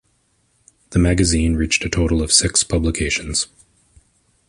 The magazine reached a total of six publications.